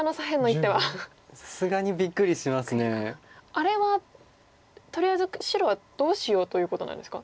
あれはとりあえず白はどうしようということなんですか？